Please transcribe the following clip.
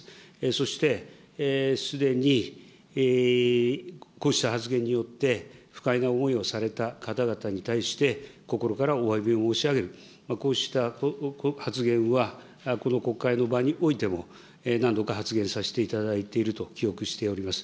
そしてすでにこうした発言によって、不快な思いをされた方々に対して、心からおわびを申し上げる、こうした発言は、この国会の場においても、何度か発言させていただいていると記憶しております。